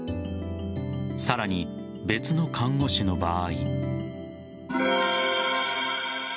さらに、別の看護師の場合。